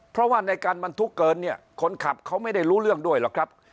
เพราะว่าในการบรรทุกเกินเนี่ยคนขับเขาไม่ได้รู้เรื่องด้วยหรอกครับ